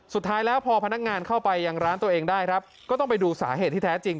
สุดท้ายแล้วพอพนักงานเข้าไปยังร้านตัวเองได้ครับก็ต้องไปดูสาเหตุที่แท้จริง